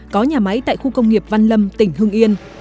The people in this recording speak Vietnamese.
có nhà máy tại khu công nghiệp van lâm tỉnh hương yên